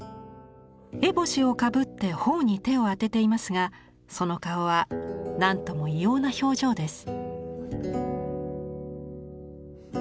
えぼしをかぶって頬に手を当てていますがその顔は何とも異様な表情です。